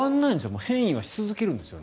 変異はし続けるんですよね。